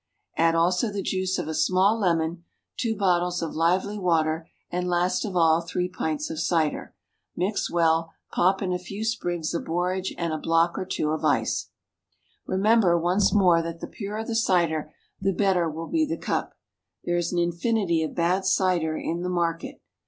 Add also the juice of a small lemon, two bottles of lively water, and (last of all) three pints of cider. Mix well, pop in a few sprigs of borage, and a block or two of ice. Remember once more that the purer the cider the better will be the cup. There is an infinity of bad cider in the market.